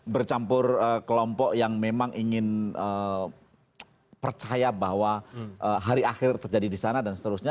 bercampur kelompok yang memang ingin percaya bahwa hari akhir terjadi di sana dan seterusnya